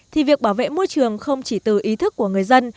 thì việc bảo vệ môi trường không chỉ từ ý thức của người dân